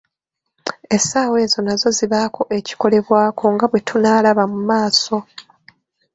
Essaawa ezo nazo zibaako ekikolebwako nga bwe tunaalaba mu maaso.